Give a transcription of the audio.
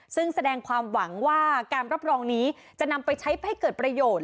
ซึ่งแสดงความหวังว่าการรับรองนี้จะนำไปใช้ให้เกิดประโยชน์